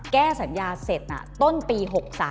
แก้สัญญาเสร็จต้นปี๖๓